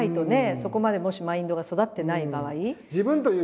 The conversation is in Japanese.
そこまでもしマインドが育ってない場合。